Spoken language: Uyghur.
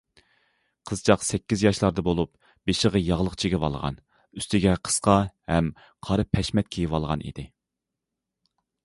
قىزچاق سەككىز ياشلاردا بولۇپ، بېشىغا ياغلىق چىگىۋالغان، ئۈستىگە قىسقا ھەم قارا پەشمەت كىيىۋالغان ئىدى.